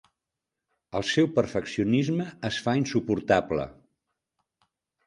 El seu perfeccionisme es fa insuportable.